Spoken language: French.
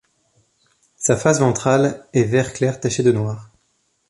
Sa face ventrale est vert clair taché de noir.